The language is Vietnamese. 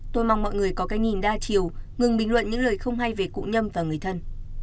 tôi mong mọi người có cái nhìn đa chiều ngừng bình luận những lời không hay về cụ nhâm và người thân